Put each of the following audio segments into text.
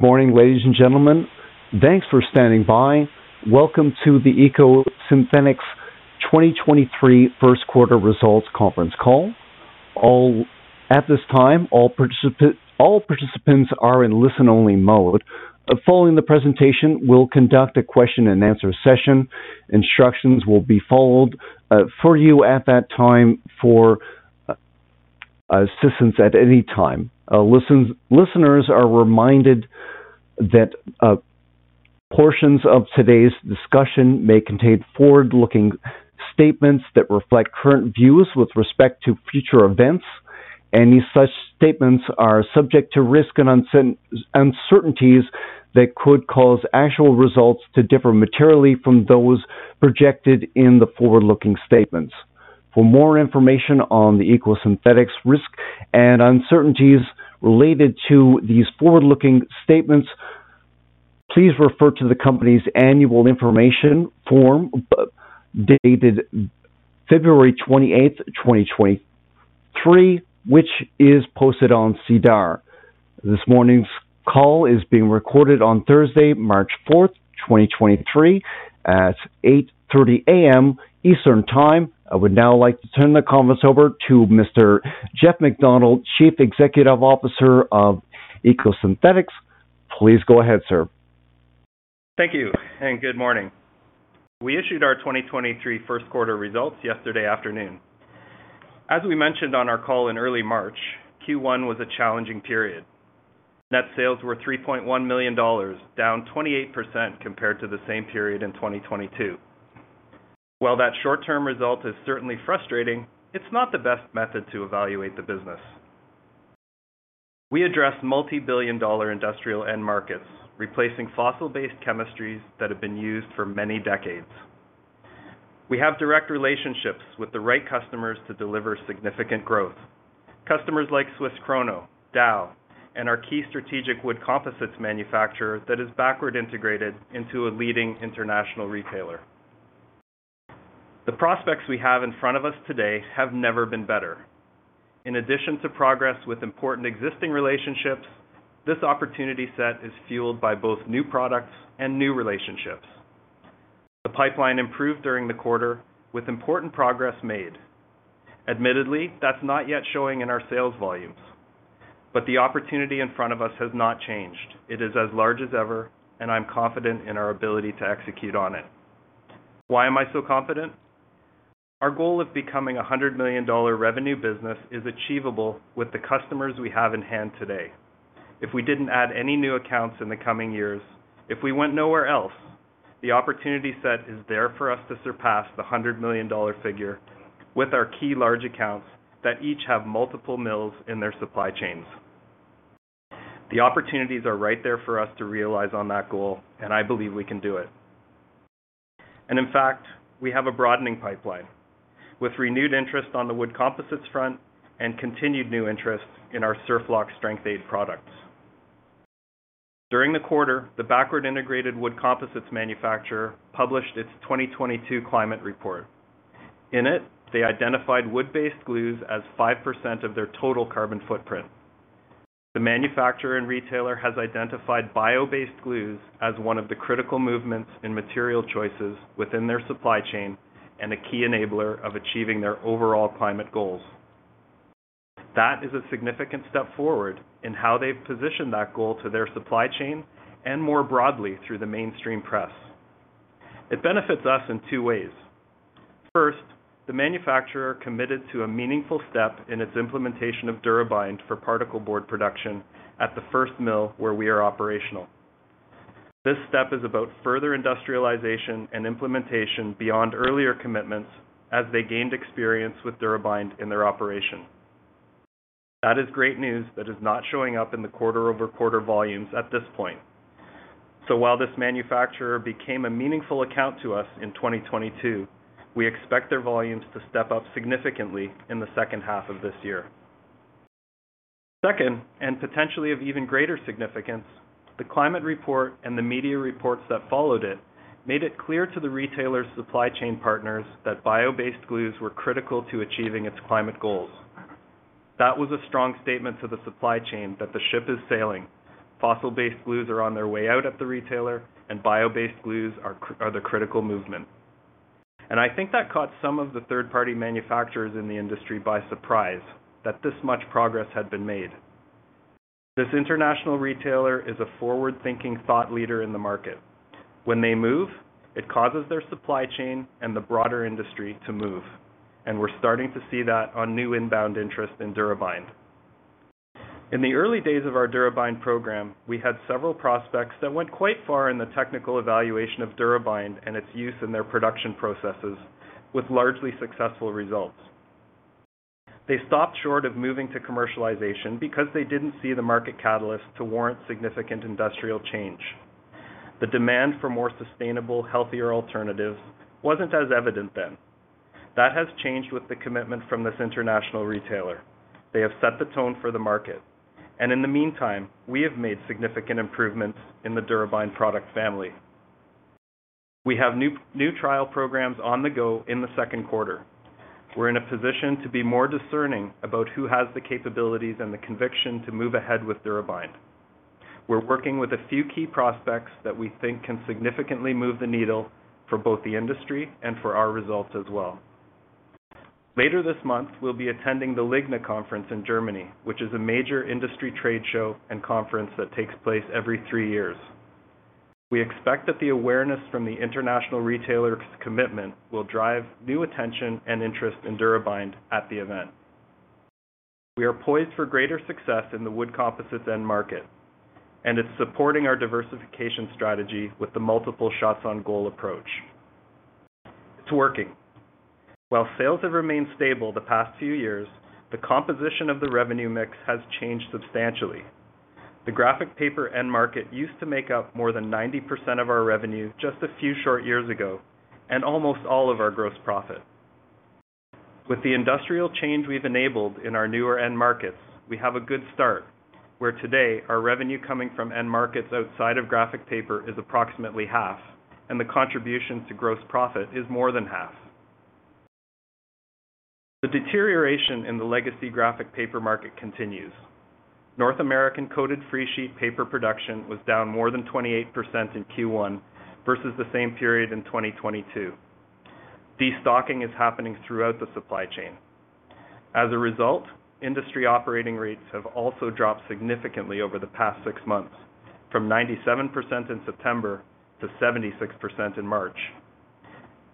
Good morning, ladies and gentlemen. Thanks for standing by. Welcome to the EcoSynthetix 2023 First Quarter Results Conference Call. At this time, all participants are in listen-only mode. Following the presentation, we'll conduct a question and answer session. Instructions will be followed for you at that time for assistance at any time. Listeners are reminded that portions of today's discussion may contain forward-looking statements that reflect current views with respect to future events. Any such statements are subject to risk and uncertainties that could cause actual results to differ materially from those projected in the forward-looking statements. For more information on the EcoSynthetix risk and uncertainties related to these forward-looking statements, please refer to the company's annual information form, dated February 28, 2023, which is posted on SEDAR. This morning's call is being recorded on Thursday, March 4th, 2023 at 8:30 A.M. Eastern Time. I would now like to turn the conference over to Mr. Jeff MacDonald, Chief Executive Officer of EcoSynthetix. Please go ahead, sir. Thank you and good morning. We issued our 2023 first quarter results yesterday afternoon. As we mentioned on our call in early March, Q1 was a challenging period. Net sales were $3.1 million, down 28% compared to the same period in 2022. While that short-term result is certainly frustrating, it's not the best method to evaluate the business. We address multi-billion dollar industrial end markets, replacing fossil-based chemistries that have been used for many decades. We have direct relationships with the right customers to deliver significant growth. Customers like SWISS KRONO, Dow, and our key strategic wood composites manufacturer that is backward integrated into a leading international retailer. The prospects we have in front of us today have never been better. In addition to progress with important existing relationships, this opportunity set is fueled by both new products and new relationships. The pipeline improved during the quarter with important progress made. Admittedly, that's not yet showing in our sales volumes. The opportunity in front of us has not changed. It is as large as ever. I'm confident in our ability to execute on it. Why am I so confident? Our goal of becoming a $100 million revenue business is achievable with the customers we have in hand today. If we didn't add any new accounts in the coming years, if we went nowhere else, the opportunity set is there for us to surpass the $100 million figure with our key large accounts that each have multiple mills in their supply chains. The opportunities are right there for us to realize on that goal. I believe we can do it. In fact, we have a broadening pipeline with renewed interest on the wood composites front and continued new interest in our SurfLock strength aid products. During the quarter, the backward integrated wood composites manufacturer published its 2022 climate report. In it, they identified wood-based glues as 5% of their total carbon footprint. The manufacturer and retailer has identified bio-based glues as one of the critical movements in material choices within their supply chain and a key enabler of achieving their overall climate goals. That is a significant step forward in how they've positioned that goal to their supply chain and more broadly through the mainstream press. It benefits us in 2 ways. First, the manufacturer committed to a meaningful step in its implementation of DuraBind for particle board production at the first mill where we are operational. This step is about further industrialization and implementation beyond earlier commitments as they gained experience with DuraBind in their operation. That is great news that is not showing up in the quarter-over-quarter volumes at this point. While this manufacturer became a meaningful account to us in 2022, we expect their volumes to step up significantly in the second half of this year. Second, and potentially of even greater significance, the climate report and the media reports that followed it made it clear to the retailer's supply chain partners that bio-based glues were critical to achieving its climate goals. That was a strong statement to the supply chain that the ship is sailing. Fossil-based glues are on their way out at the retailer, and bio-based glues are the critical movement. I think that caught some of the third-party manufacturers in the industry by surprise that this much progress had been made. This international retailer is a forward-thinking thought leader in the market. When they move, it causes their supply chain and the broader industry to move, and we're starting to see that on new inbound interest in DuraBind. In the early days of our DuraBind program, we had several prospects that went quite far in the technical evaluation of DuraBind and its use in their production processes with largely successful results. They stopped short of moving to commercialization because they didn't see the market catalyst to warrant significant industrial change. The demand for more sustainable, healthier alternatives wasn't as evident then. That has changed with the commitment from this international retailer. They have set the tone for the market. In the meantime, we have made significant improvements in the DuraBind product family. We have new trial programs on the go in the second quarter. We're in a position to be more discerning about who has the capabilities and the conviction to move ahead with DuraBind. We're working with a few key prospects that we think can significantly move the needle for both the industry and for our results as well. Later this month, we'll be attending the LIGNA Conference in Germany, which is a major industry trade show and conference that takes place every 3 years. We expect that the awareness from the international retailers' commitment will drive new attention and interest in DuraBind at the event. We are poised for greater success in the wood composites end market, and it's supporting our diversification strategy with the multiple shots on goal approach. It's working. While sales have remained stable the past few years, the composition of the revenue mix has changed substantially. The graphic paper end market used to make up more than 90% of our revenue just a few short years ago, and almost all of our gross profit. With the industrial change we've enabled in our newer end markets, we have a good start, where today, our revenue coming from end markets outside of graphic paper is approximately half, and the contribution to gross profit is more than half. The deterioration in the legacy graphic paper market continues. North American coated freesheet paper production was down more than 28% in Q1 versus the same period in 2022. Destocking is happening throughout the supply chain. As a result, industry operating rates have also dropped significantly over the past six months, from 97% in September to 76% in March.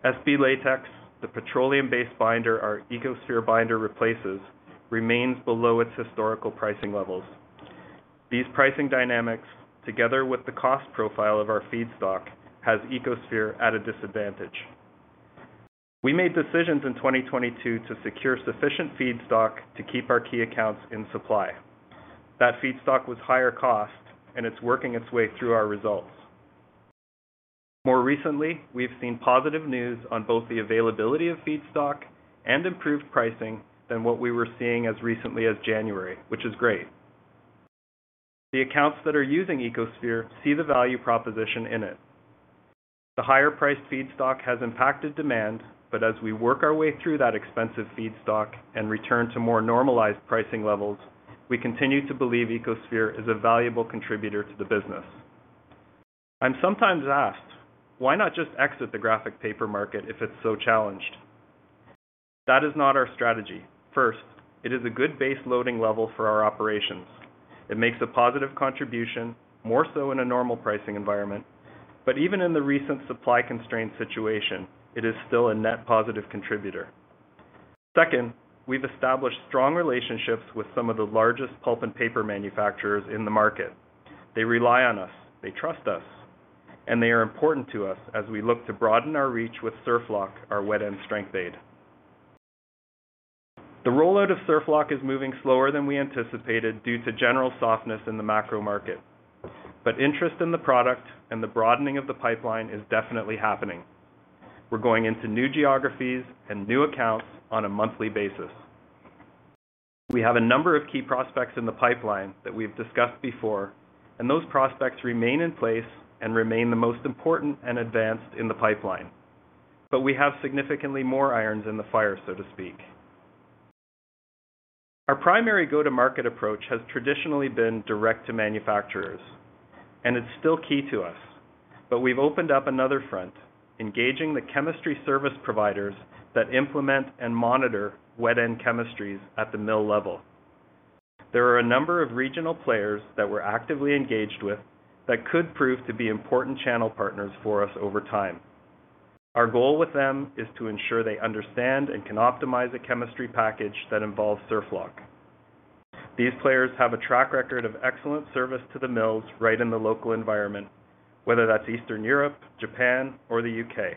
SB latex, the petroleum-based binder our EcoSphere binder replaces, remains below its historical pricing levels. These pricing dynamics, together with the cost profile of our feedstock, has EcoSphere at a disadvantage. We made decisions in 2022 to secure sufficient feedstock to keep our key accounts in supply. That feedstock was higher cost, and it's working its way through our results. More recently, we've seen positive news on both the availability of feedstock and improved pricing than what we were seeing as recently as January, which is great. The accounts that are using EcoSphere see the value proposition in it. The higher-priced feedstock has impacted demand, but as we work our way through that expensive feedstock and return to more normalized pricing levels, we continue to believe EcoSphere is a valuable contributor to the business. I'm sometimes asked, "Why not just exit the graphic paper market if it's so challenged?" That is not our strategy. First, it is a good base loading level for our operations. It makes a positive contribution, more so in a normal pricing environment. Even in the recent supply constraint situation, it is still a net positive contributor. Second, we've established strong relationships with some of the largest pulp and paper manufacturers in the market. They rely on us, they trust us, and they are important to us as we look to broaden our reach with SurfLock, our wet end strength aid. The rollout of SurfLock is moving slower than we anticipated due to general softness in the macro market. Interest in the product and the broadening of the pipeline is definitely happening. We're going into new geographies and new accounts on a monthly basis. We have a number of key prospects in the pipeline that we've discussed before, and those prospects remain in place and remain the most important and advanced in the pipeline. We have significantly more irons in the fire, so to speak. Our primary go-to-market approach has traditionally been direct to manufacturers, and it's still key to us, but we've opened up another front, engaging the chemistry service providers that implement and monitor wet end chemistries at the mill level. There are a number of regional players that we're actively engaged with that could prove to be important channel partners for us over time. Our goal with them is to ensure they understand and can optimize a chemistry package that involves SurfLock. These players have a track record of excellent service to the mills right in the local environment, whether that's Eastern Europe, Japan, or the U.K.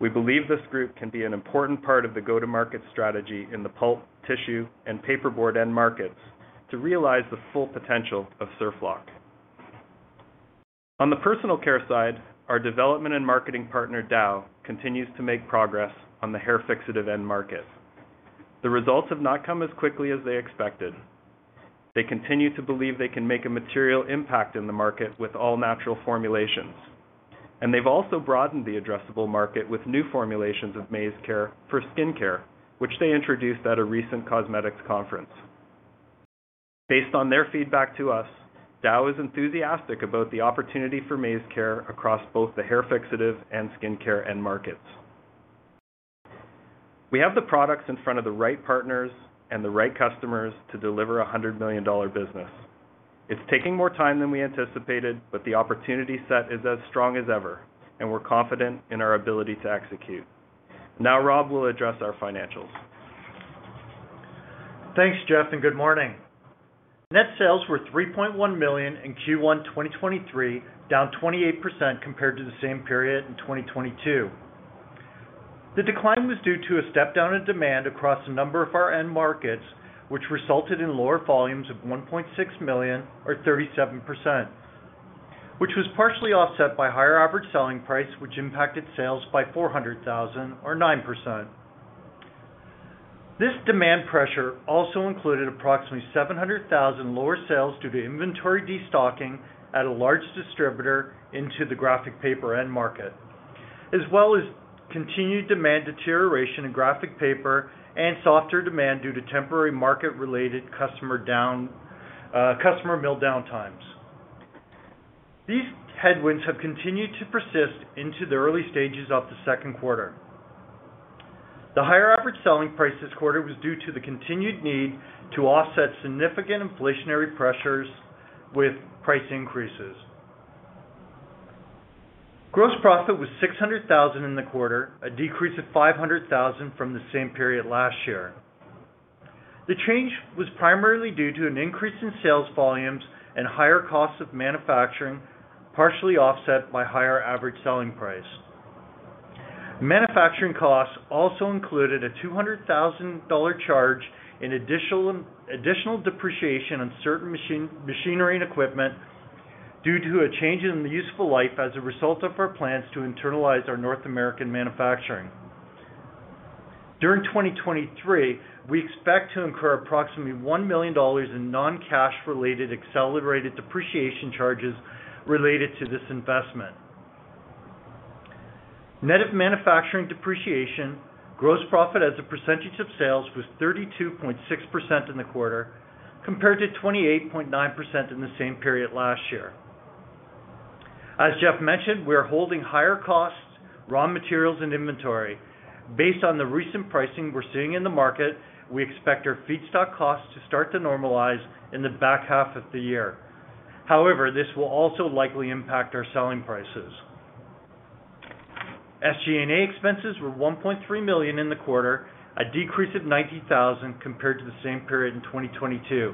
We believe this group can be an important part of the go-to-market strategy in the pulp, tissue, and paperboard end markets to realize the full potential of SurfLock. On the personal care side, our development and marketing partner, Dow, continues to make progress on the hair fixative end market. The results have not come as quickly as they expected. They continue to believe they can make a material impact in the market with all-natural formulations. They've also broadened the addressable market with new formulations of MaizeCare for skincare, which they introduced at a recent cosmetics conference. Based on their feedback to us, Dow is enthusiastic about the opportunity for MaizeCare across both the hair fixative and skincare end markets. We have the products in front of the right partners and the right customers to deliver a $100 million business. It's taking more time than we anticipated, but the opportunity set is as strong as ever, and we're confident in our ability to execute. Rob will address our financials. Thanks, Jeff. Good morning. Net sales were 3.1 million in Q1 2023, down 28% compared to the same period in 2022. The decline was due to a step down in demand across a number of our end markets, which resulted in lower volumes of 1.6 million or 37%, which was partially offset by higher average selling price, which impacted sales by 400,000 or 9%. This demand pressure also included approximately 700,000 lower sales due to inventory destocking at a large distributor into the graphic paper end market, as well as continued demand deterioration in graphic paper and softer demand due to temporary market related customer mill downtimes. These headwinds have continued to persist into the early stages of the second quarter. The higher average selling price this quarter was due to the continued need to offset significant inflationary pressures with price increases. Gross profit was $600,000 in the quarter, a decrease of $500,000 from the same period last year. The change was primarily due to an increase in sales volumes and higher costs of manufacturing, partially offset by higher average selling price. Manufacturing costs also included a $200,000 charge in additional depreciation on certain machinery and equipment due to a change in the useful life as a result of our plans to internalize our North American manufacturing. During 2023, we expect to incur approximately $1 million in non-cash related accelerated depreciation charges related to this investment. Net of manufacturing depreciation, gross profit as a percentage of sales was 32.6% in the quarter compared to 28.9% in the same period last year. As Jeff mentioned, we are holding higher costs, raw materials, and inventory. Based on the recent pricing we're seeing in the market, we expect our feedstock costs to start to normalize in the back half of the year. However, this will also likely impact our selling prices. SG&A expenses were $1.3 million in the quarter, a decrease of $90,000 compared to the same period in 2022.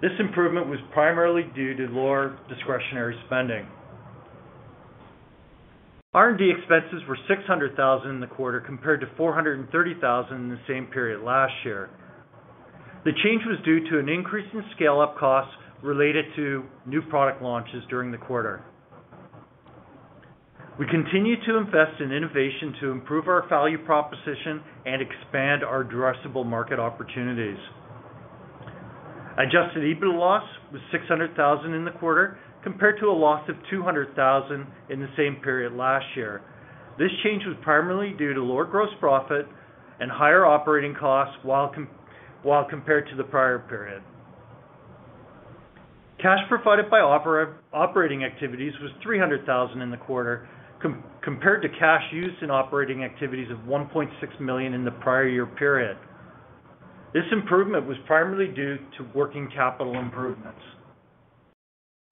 This improvement was primarily due to lower discretionary spending. R&D expenses were $600,000 in the quarter compared to $430,000 in the same period last year. The change was due to an increase in scaleup costs related to new product launches during the quarter. We continue to invest in innovation to improve our value proposition and expand our addressable market opportunities. Adjusted EBITDA loss was $600,000 in the quarter, compared to a loss of $200,000 in the same period last year. This change was primarily due to lower gross profit and higher operating costs while compared to the prior period. Cash provided by operating activities was $300,000 in the quarter compared to cash used in operating activities of $1.6 million in the prior year period. This improvement was primarily due to working capital improvements.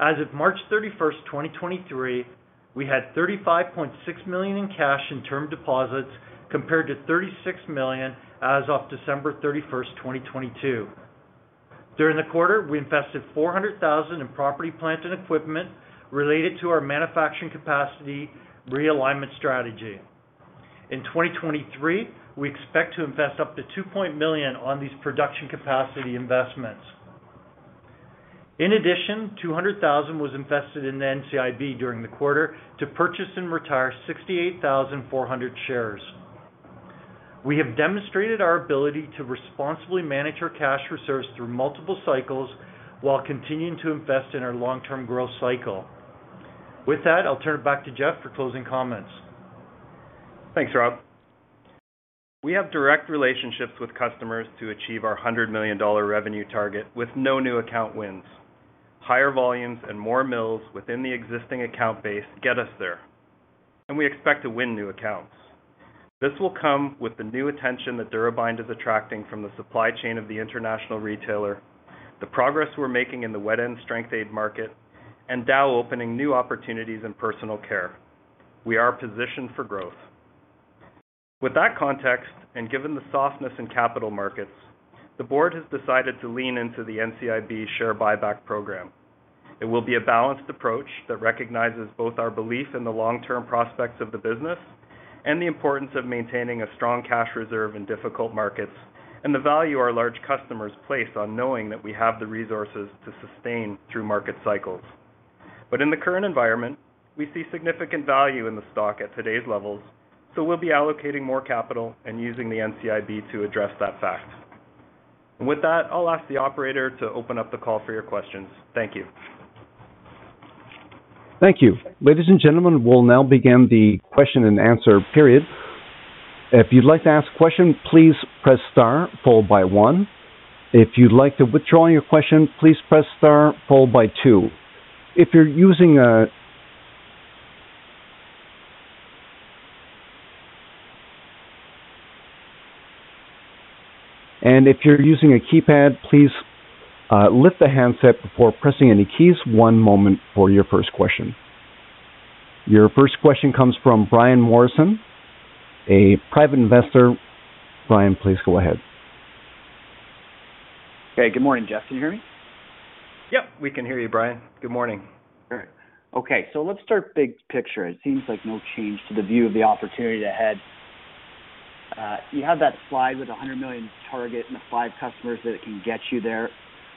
As of March 31st, 2023, we had $35.6 million in cash and term deposits, compared to $36 million as of December 31st, 2022. During the quarter, we invested $400,000 in property, plant, and equipment related to our manufacturing capacity realignment strategy. In 2023, we expect to invest up to $2 million on these production capacity investments. In addition, $200,000 was invested in the NCIB during the quarter to purchase and retire 68,400 shares. We have demonstrated our ability to responsibly manage our cash reserves through multiple cycles while continuing to invest in our long-term growth cycle. With that, I'll turn it back to Jeff for closing comments. Thanks, Rob. We have direct relationships with customers to achieve our $100 million revenue target with no new account wins. Higher volumes and more mills within the existing account base get us there, and we expect to win new accounts. This will come with the new attention that DuraBind is attracting from the supply chain of the international retailer, the progress we're making in the wet end strength aid market, and Dow opening new opportunities in personal care. We are positioned for growth. With that context and given the softness in capital markets, the board has decided to lean into the NCIB share buyback program. It will be a balanced approach that recognizes both our belief in the long-term prospects of the business and the importance of maintaining a strong cash reserve in difficult markets, and the value our large customers place on knowing that we have the resources to sustain through market cycles. In the current environment, we see significant value in the stock at today's levels, so we'll be allocating more capital and using the NCIB to address that fact. With that, I'll ask the operator to open up the call for your questions. Thank you. Thank you. Ladies and gentlemen, we'll now begin the question and answer period. If you'd like to ask a question, please press star followed by one. If you'd like to withdraw your question, please press star followed by two. If you're using a keypad, please lift the handset before pressing any keys. One moment for your first question. Your first question comes from Brian Morrison, a private investor. Brian, please go ahead. Okay. Good morning, Jeff, can you hear me? Yep, we can hear you, Brian. Good morning. All right. Okay, let's start big picture. It seems like no change to the view of the opportunity ahead. You have that slide with a $100 million target and the five customers that it can get you there.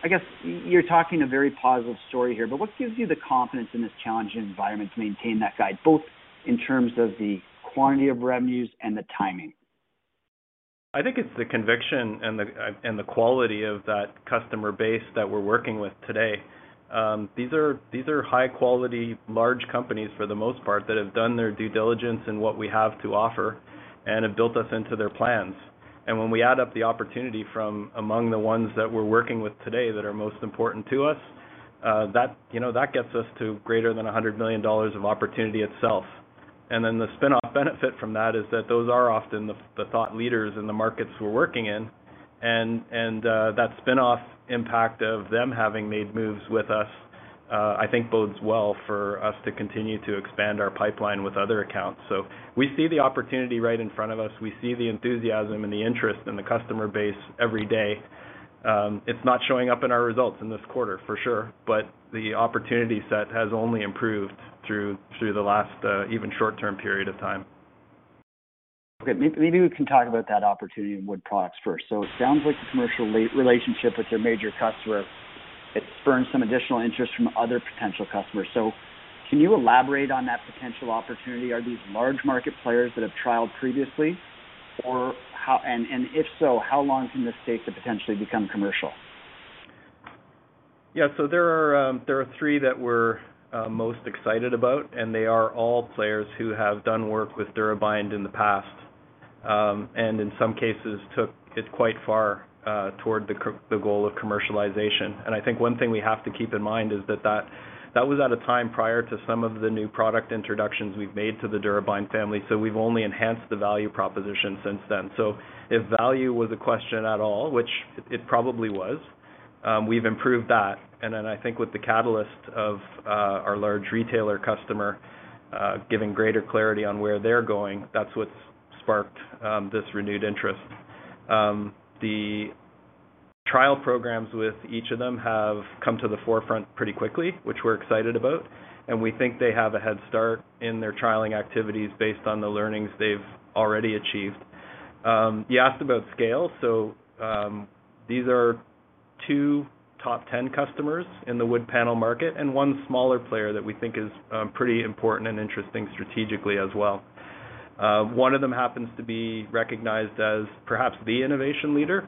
I guess you're talking a very positive story here, but what gives you the confidence in this challenging environment to maintain that guide, both in terms of the quantity of revenues and the timing? I think it's the conviction and the quality of that customer base that we're working with today. These are high quality, large companies for the most part, that have done their due diligence in what we have to offer and have built us into their plans. When we add up the opportunity from among the ones that we're working with today that are most important to us, that, you know, that gets us to greater than $100 million of opportunity itself. Then the spin-off benefit from that is that those are often the thought leaders in the markets we're working in, and that spin-off impact of them having made moves with us, I think bodes well for us to continue to expand our pipeline with other accounts. We see the opportunity right in front of us. We see the enthusiasm and the interest in the customer base every day. It's not showing up in our results in this quarter for sure, but the opportunity set has only improved through the last even short-term period of time. Maybe we can talk about that opportunity in wood products first. It sounds like the commercial relationship with your major customer, it spurned some additional interest from other potential customers. Can you elaborate on that potential opportunity? Are these large market players that have trialed previously? If so, how long from this stage to potentially become commercial? There are three that we're most excited about, and they are all players who have done work with DuraBind in the past, and in some cases took it quite far toward the goal of commercialization. I think one thing we have to keep in mind is that that was at a time prior to some of the new product introductions we've made to the DuraBind family, we've only enhanced the value proposition since then. If value was a question at all, which it probably was, we've improved that. I think with the catalyst of our large retailer customer, giving greater clarity on where they're going, that's what's sparked this renewed interest. The trial programs with each of them have come to the forefront pretty quickly, which we're excited about, and we think they have a head start in their trialing activities based on the learnings they've already achieved. You asked about scale. These are two top 10 customers in the wood panel market and one smaller player that we think is, pretty important and interesting strategically as well. One of them happens to be recognized as perhaps the innovation leader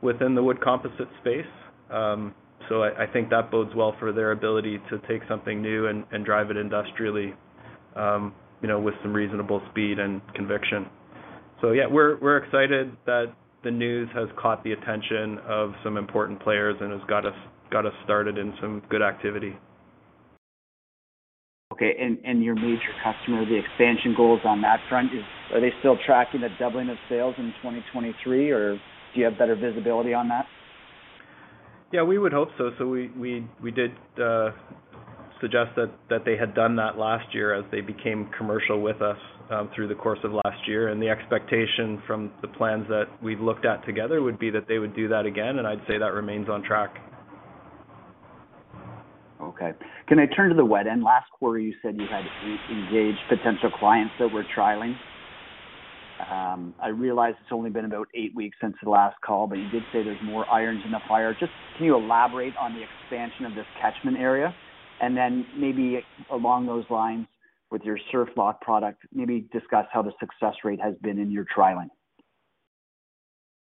within the wood composite space. I think that bodes well for their ability to take something new and drive it industrially, you know, with some reasonable speed and conviction. Yeah, we're excited that the news has caught the attention of some important players and has got us started in some good activity. Okay. Your major customer, the expansion goals on that front, are they still tracking a doubling of sales in 2023, or do you have better visibility on that? Yeah, we would hope so. We did suggest that they had done that last year as they became commercial with us through the course of last year. The expectation from the plans that we've looked at together would be that they would do that again, and I'd say that remains on track. Okay. Can I turn to the wet end? Last quarter, you said you had engaged potential clients that were trialing. I realize it's only been about eight weeks since the last call, but you did say there's more irons in the fire. Just can you elaborate on the expansion of this catchment area? Then maybe along those lines with your SurfLock product, maybe discuss how the success rate has been in your trialing.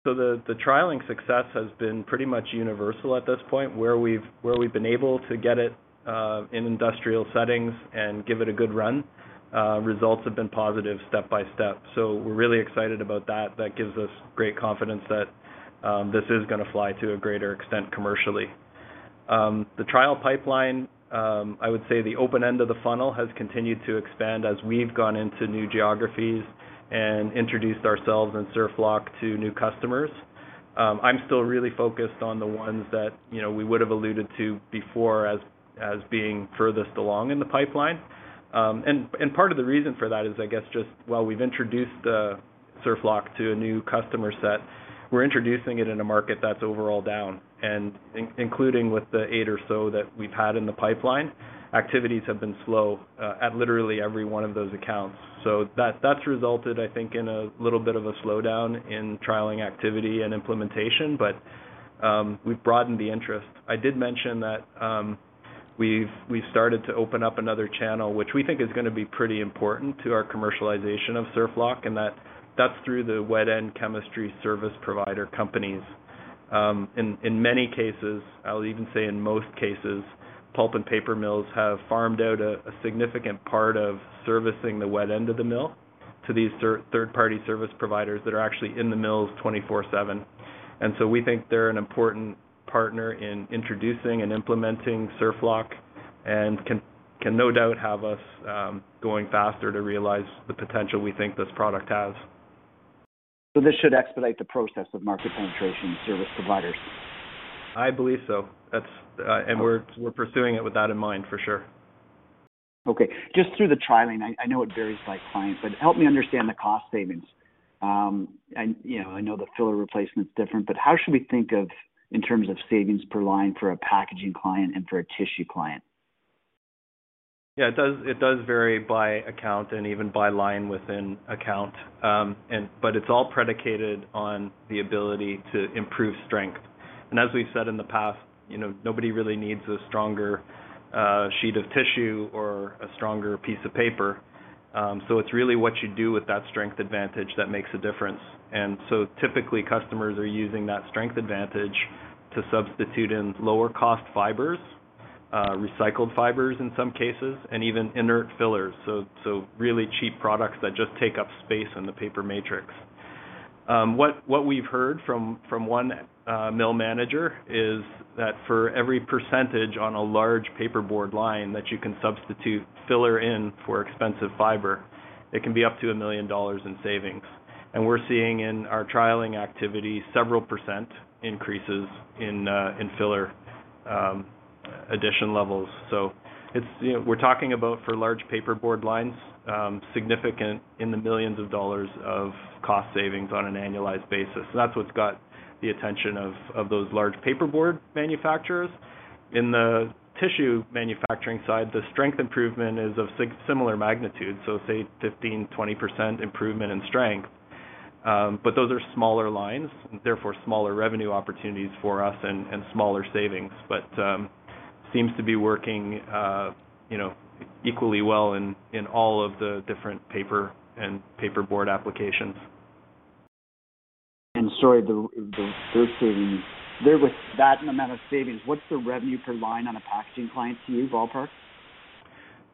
The trialing success has been pretty much universal at this point. Where we've been able to get it in industrial settings and give it a good run, results have been positive step-by-step. We're really excited about that. That gives us great confidence that this is gonna fly to a greater extent commercially. The trial pipeline, I would say the open end of the funnel has continued to expand as we've gone into new geographies and introduced ourselves and SurfLock to new customers. I'm still really focused on the ones that, you know, we would've alluded to before as being furthest along in the pipeline. Part of the reason for that is, I guess, just while we've introduced SurfLock to a new customer set, we're introducing it in a market that's overall down. Including with the 8 or so that we've had in the pipeline, activities have been slow at literally every one of those accounts. That's resulted, I think, in a little bit of a slowdown in trialing activity and implementation, but we've broadened the interest. I did mention that we've started to open up another channel, which we think is gonna be pretty important to our commercialization of SurfLock, and that's through the wet end chemistry service provider companies. In many cases, I'll even say in most cases, pulp and paper mills have farmed out a significant part of servicing the wet end of the mill to these third-party service providers that are actually in the mills 24/7. We think they're an important partner in introducing and implementing SurfLock and can no doubt have us going faster to realize the potential we think this product has. This should expedite the process of market penetration service providers. I believe so. That's... We're pursuing it with that in mind for sure. Okay. Just through the trialing, I know it varies by client, but help me understand the cost savings. You know, I know the filler replacement's different, but how should we think of in terms of savings per line for a packaging client and for a tissue client? Yeah, it does vary by account and even by line within account. But it's all predicated on the ability to improve strength. As we've said in the past, you know, nobody really needs a stronger sheet of tissue or a stronger piece of paper. It's really what you do with that strength advantage that makes a difference. Typically, customers are using that strength advantage to substitute in lower cost fibers, recycled fibers in some cases, and even inert fillers. Really cheap products that just take up space in the paper matrix. What we've heard from one mill manager is that for every percentage on a large paperboard line that you can substitute filler in for expensive fiber, it can be up to $1 million in savings. We're seeing in our trialing activity several percent increases in filler addition levels. It's, you know, we're talking about for large paperboard lines, significant in the millions of dollars of cost savings on an annualized basis. That's what's got the attention of those large paperboard manufacturers. In the tissue manufacturing side, the strength improvement is of similar magnitude, so say 15%-20% improvement in strength. Those are smaller lines, therefore smaller revenue opportunities for us and smaller savings. Seems to be working, you know, equally well in all of the different paper and paperboard applications. Sorry, those savings. With that amount of savings, what's the revenue per line on a packaging client to you, ballpark?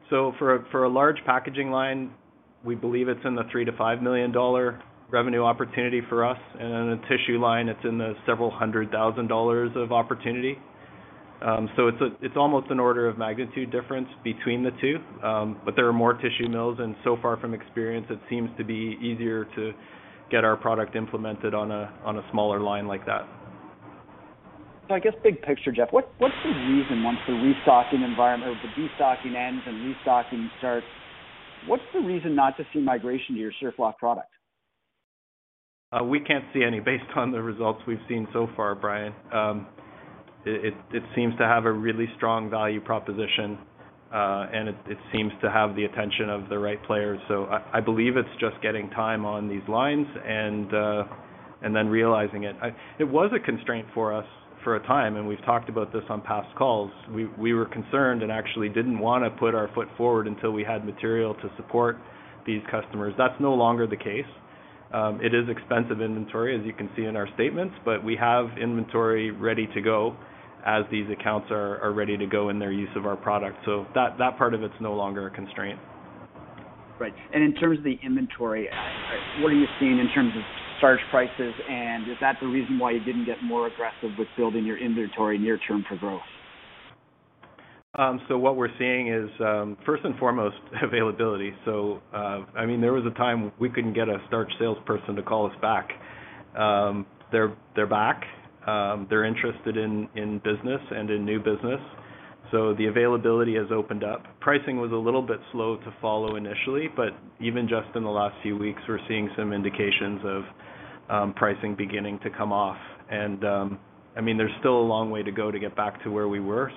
For a large packaging line, we believe it's in the $3 million-$5 million revenue opportunity for us. In a tissue line, it's in the several hundred thousand dollars of opportunity. It's almost an order of magnitude difference between the two. There are more tissue mills, and so far from experience, it seems to be easier to get our product implemented on a smaller line like that. I guess big picture, Jeff, what's the reason once the restocking environment or the destocking ends and restocking starts, what's the reason not to see migration to your SurfLock product? We can't see any based on the results we've seen so far, Brian. It seems to have a really strong value proposition, and it seems to have the attention of the right players. I believe it's just getting time on these lines and then realizing it. It was a constraint for us for a time, and we've talked about this on past calls. We were concerned and actually didn't wanna put our foot forward until we had material to support these customers. That's no longer the case. It is expensive inventory, as you can see in our statements, but we have inventory ready to go as these accounts are ready to go in their use of our product. That part of it's no longer a constraint. Right. In terms of the inventory, what are you seeing in terms of starch prices? Is that the reason why you didn't get more aggressive with building your inventory near-term for growth? What we're seeing is first and foremost, availability. There was a time we couldn't get a starch salesperson to call us back. They're back. They're interested in business and in new business. The availability has opened up. Pricing was a little bit slow to follow initially, but even just in the last few weeks, we're seeing some indications of pricing beginning to come off. There's still a long way to go to get back to where we were.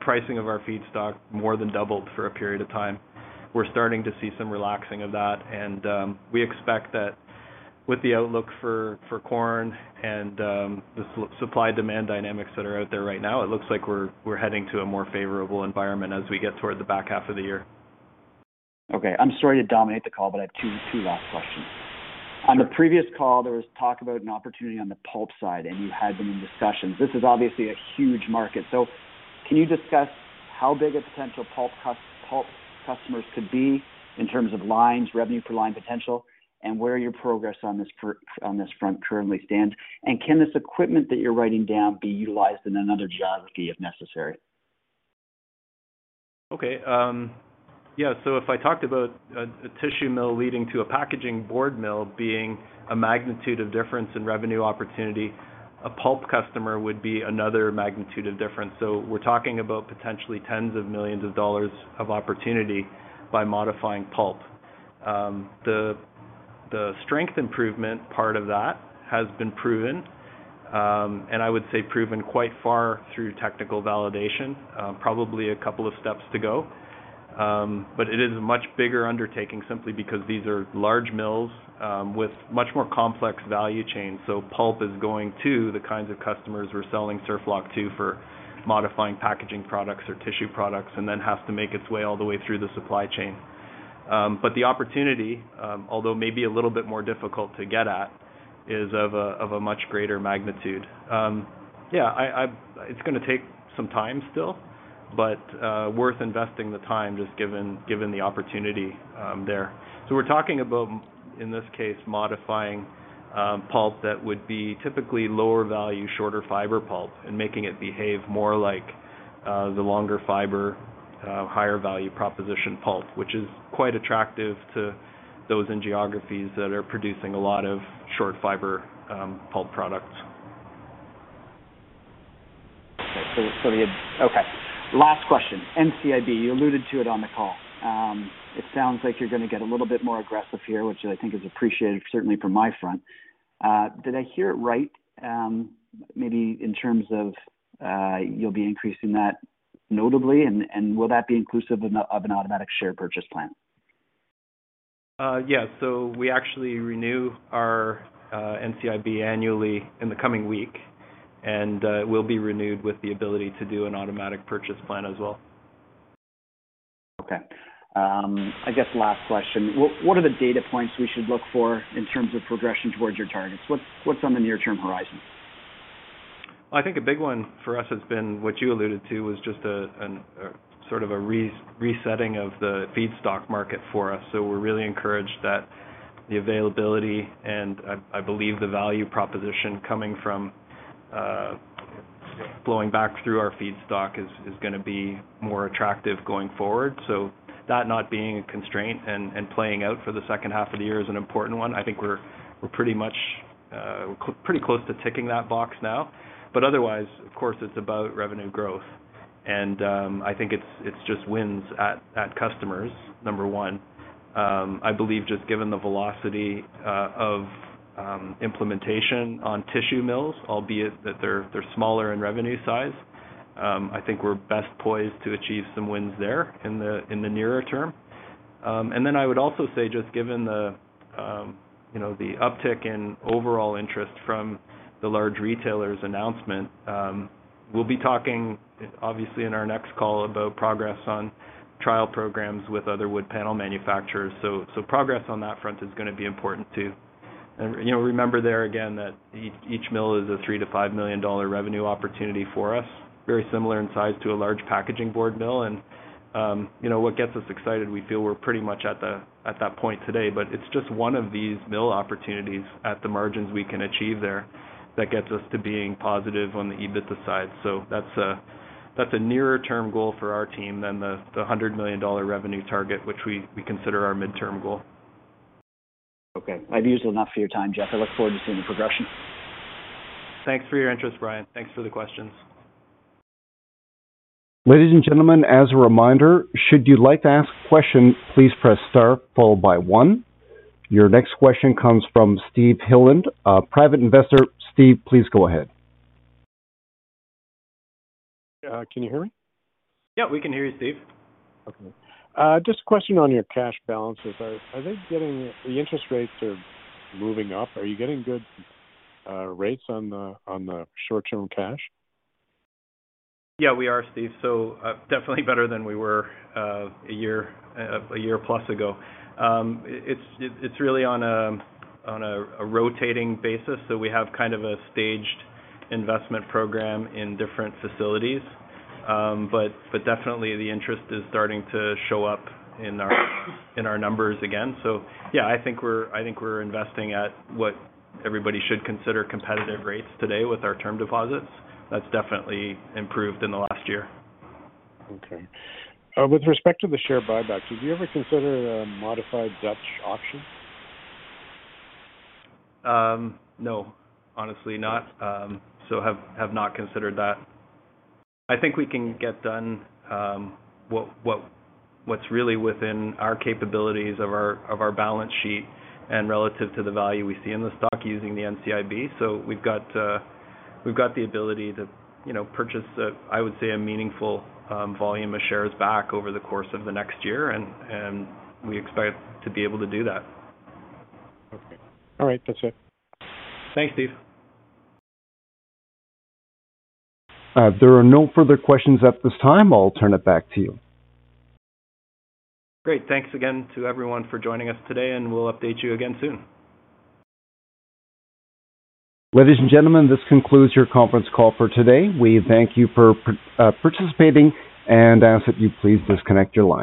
Pricing of our feedstock more than doubled for a period of time. We're starting to see some relaxing of that, and we expect that with the outlook for corn and the supply demand dynamics that are out there right now, it looks like we're heading to a more favorable environment as we get toward the back half of the year. Okay. I'm sorry to dominate the call, but I have two last questions. Sure. On the previous call, there was talk about an opportunity on the pulp side, and you had them in discussions. This is obviously a huge market. Can you discuss how big a potential pulp customers could be in terms of lines, revenue per line potential, and where your progress on this front currently stands? Can this equipment that you're writing down be utilized in another geography if necessary? Okay. Yeah. If I talked about a tissue mill leading to a packaging board mill being a magnitude of difference in revenue opportunity, a pulp customer would be another magnitude of difference. We're talking about potentially tens of millions of dollars of opportunity by modifying pulp. The strength improvement part of that has been proven, and I would say proven quite far through technical validation, probably a couple of steps to go. But it is a much bigger undertaking simply because these are large mills, with much more complex value chain. Pulp is going to the kinds of customers we're selling SurfLock to for modifying packaging products or tissue products, and then has to make its way all the way through the supply chain. The opportunity, although maybe a little bit more difficult to get at, is of a much greater magnitude. It's gonna take some time still, but worth investing the time, just given the opportunity there. We're talking about, in this case, modifying pulp that would be typically lower value, shorter fiber pulp and making it behave more like the longer fiber, higher value proposition pulp, which is quite attractive to those in geographies that are producing a lot of short fiber pulp product. Okay, last question. NCIB, you alluded to it on the call. It sounds like you're gonna get a little bit more aggressive here, which I think is appreciated, certainly from my front. Did I hear it right, maybe in terms of, you'll be increasing that notably and will that be inclusive of an automatic share purchase plan? Yeah. We actually renew our NCIB annually in the coming week, and we'll be renewed with the ability to do an automatic purchase plan as well. Okay. I guess last question. What are the data points we should look for in terms of progression towards your targets? What's on the near term horizon? I think a big one for us has been what you alluded to, was just an sort of a resetting of the feedstock market for us. We're really encouraged that the availability and I believe the value proposition coming from flowing back through our feedstock is gonna be more attractive going forward. That not being a constraint and playing out for the second half of the year is an important one. I think we're pretty much pretty close to ticking that box now. Otherwise, of course, it's about revenue growth. I think it's just wins at customers, number one. I believe just given the velocity of implementation on tissue mills, albeit that they're smaller in revenue size, I think we're best poised to achieve some wins there in the nearer term. I would also say, just given the, you know, the uptick in overall interest from the large retailers' announcement, we'll be talking obviously in our next call about progress on trial programs with other wood panel manufacturers. Progress on that front is gonna be important too. You know, remember there again that each mill is a $3 million-$5 million revenue opportunity for us, very similar in size to a large packaging board mill. You know, what gets us excited, we feel we're pretty much at that point today, but it's just one of these mill opportunities at the margins we can achieve there that gets us to being positive on the EBITDA side. That's a, that's a nearer term goal for our team than the $100 million revenue target, which we consider our midterm goal. Okay. I've used enough of your time, Jeff. I look forward to seeing the progression. Thanks for your interest, Brian. Thanks for the questions. Ladies and gentlemen, as a reminder, should you like to ask a question, please press star followed by one. Your next question comes from Steve Hyland, a Private Investor. Steve, please go ahead. Can you hear me? Yeah, we can hear you, Steve. Okay. Just a question on your cash balances. The interest rates are moving up. Are you getting good rates on the short-term cash? Yeah, we are, Steve. Definitely better than we were, a year, a year plus ago. It's really on a, on a rotating basis, so we have kind of a staged investment program in different facilities. Definitely the interest is starting to show up in our, in our numbers again. Yeah, I think we're, I think we're investing at what everybody should consider competitive rates today with our term deposits. That's definitely improved in the last year. With respect to the share buyback, did you ever consider a modified Dutch auction? No, honestly not. Have not considered that. I think we can get done what's really within our capabilities of our balance sheet and relative to the value we see in the stock using the NCIB. We've got the ability to, you know, purchase a meaningful volume of shares back over the course of the next year and we expect to be able to do that. Okay. All right. That's it. Thanks, Steve. There are no further questions at this time. I'll turn it back to you. Great. Thanks again to everyone for joining us today, and we'll update you again soon. Ladies and gentlemen, this concludes your conference call for today. We thank you for participating and ask that you please disconnect your lines.